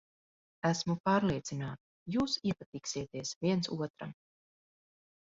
Esmu pārliecināta, jūs iepatiksieties viens otram.